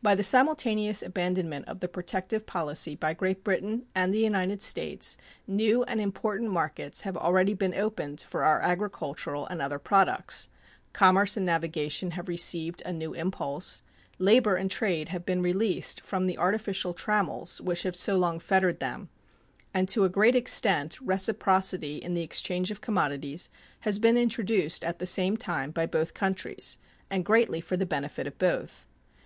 By the simultaneous abandonment of the protective policy by Great Britain and the United States new and important markets have already been opened for our agricultural and other products, commerce and navigation have received a new impulse, labor and trade have been released from the artificial trammels which have so long fettered them, and to a great extent reciprocity in the exchange of commodities has been introduced at the same time by both countries, and greatly for the benefit of both.